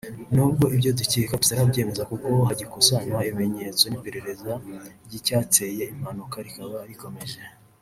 Nubwo ibyo dukeka tutarabyemeza kuko hagikusanywa ibimenyetso n'iperereza ry'icyateye impanuka rikaba rikomeje